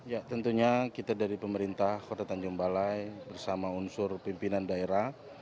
ya tentunya kita dari pemerintah kota tanjung balai bersama unsur pimpinan daerah